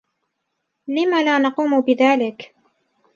لم لا نقوم بذلك؟